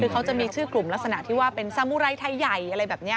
คือเขาจะมีชื่อกลุ่มลักษณะที่ว่าเป็นสามุไรไทยใหญ่อะไรแบบนี้